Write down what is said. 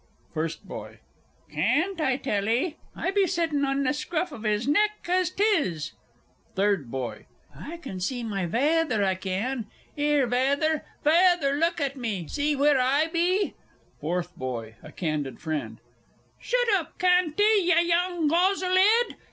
FIRST BOY. Cann't, I tell 'ee, I be sittin' on th' scruff of 'is neck as 'tis. THIRD BOY. I can see my vaither, I can. 'Ere, vaither, vaither, look at me see wheer I be! FOURTH BOY (a candid friend). Shoot oop, cann't 'ee', ya young gozzle 'ead!